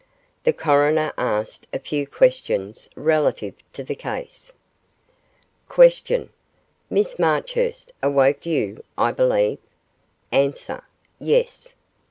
The Coroner asked a few questions relative to the case. Q. Miss Marchurst awoke you, I believe? A. Yes.